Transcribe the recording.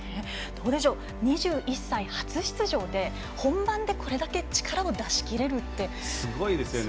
２１歳、初出場で本番で、これだけ力を出しきれるってすごいですね。